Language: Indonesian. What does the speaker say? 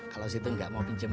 kalo situ gak mau pinjem uang